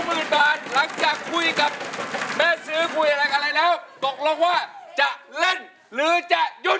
เราจะซื้อคุยอะไรกันแล้วตกลงว่าจะเล่นหรือจะหยุด